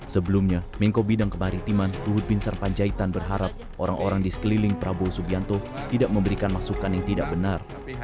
sebelumnya menko bidang kemaritiman luhut bin sarpanjaitan berharap orang orang di sekeliling prabowo subianto tidak memberikan masukan yang tidak benar